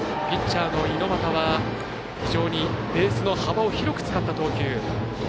ピッチャーの猪俣は非常にベースの幅を広く使った投球。